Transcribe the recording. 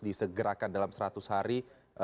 disegerakan dalam seratus hari